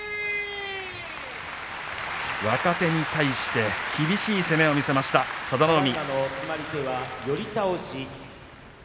若手に対して厳しい攻めを見せました佐田の海。